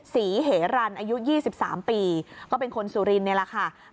ศรีเหรันอายุ๒๓ปีก็เป็นคนสุรินนี่แหละค่ะ